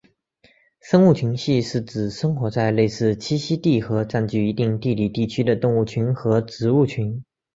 生物群系是指生活在类似栖息地和占据一定地理地区的动物群和植物群。